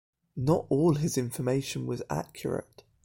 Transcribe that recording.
Not all of his information was accurate.